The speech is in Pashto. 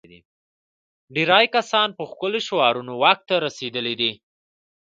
ډېری کسان په ښکلو شعارونو واک ته رسېدلي دي.